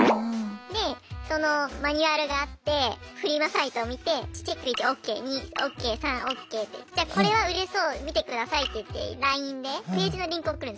でそのマニュアルがあってフリマサイトを見てチェック１ＯＫ２ＯＫ３ＯＫって。じゃこれは売れそう見てくださいっていってＬＩＮＥでページのリンク送るんですよ。